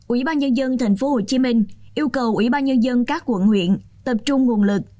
ủy ban nhân dân tp hcm yêu cầu ủy ban nhân dân các quận huyện tập trung nguồn lực